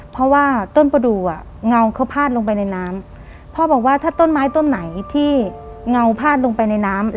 เพราะว่าต้นประดูกอ่ะเงาเขาพาดลงไปในน้ำพ่อบอกว่าถ้าต้นไม้ต้นไหนที่เงาพาดลงไปในน้ำ